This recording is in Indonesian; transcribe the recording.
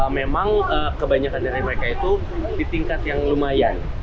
memang kebanyakan dari mereka itu di tingkat yang lumayan